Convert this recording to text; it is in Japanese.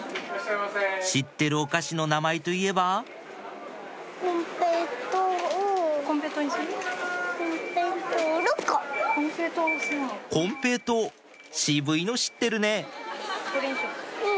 知ってるお菓子の名前といえばコンペイトー渋いの知ってるね！